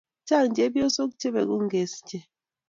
Chang chepyosok che peku ingesiche.